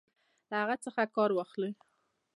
له هغه څخه کار واخلي.